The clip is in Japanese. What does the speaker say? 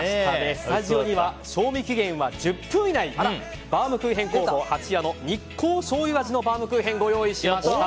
スタジオには賞味期限は１０分以内バウムクーヘン工房はちやの日光醤油味のバウムクーヘンをご用意しました。